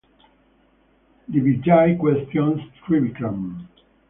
Digvijay questions Trivikram.